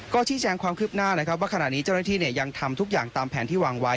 ก็ชี้แจงความคืบหน้านะครับว่าขณะนี้เจ้าหน้าที่ยังทำทุกอย่างตามแผนที่วางไว้